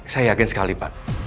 saya yakin sekali pak